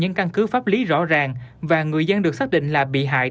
những căn cứ pháp lý rõ ràng và người dân được xác định là bị hại